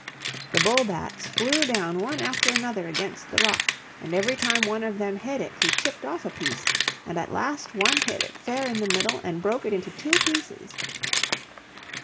The bull bats flew down one after another against the rock, and every time one of them hit it he chipped off a piece, and at last one hit it fair in the middle and broke it into two pieces.